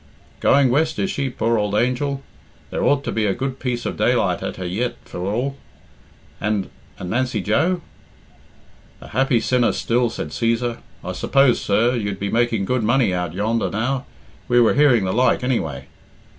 "Going west, is she, poor ould angel? There ought to be a good piece of daylight at her yet, for all. And and Nancy Joe?" "A happy sinner still," said Cæsar. "I suppose, sir, you'd be making good money out yonder now? We were hearing the like, anyway."